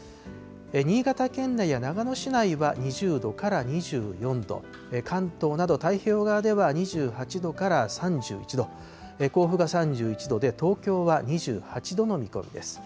新潟県内や長野市内は２０度から２４度、関東など太平洋側では２８度から３１度、甲府が３１度で、東京は２８度の見込みです。